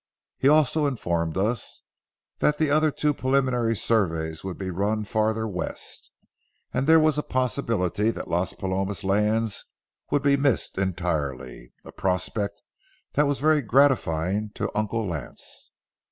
He also informed us that the other two preliminary surveys would be run farther west, and there was a possibility that the Las Palomas lands would be missed entirely, a prospect that was very gratifying to Uncle Lance.